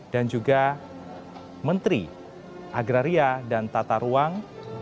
dan juga menteri agraria dan tata ruang